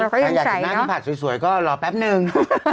ถ้าอยากจะน้ำผัดสวยก็รอแป๊บนึง